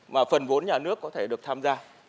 mà phần vốn nhà nước có thể được tham gia